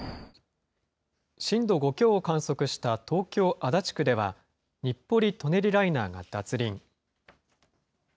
震度５強を観測した東京・足立区では、日暮里・舎人ライナーが脱輪。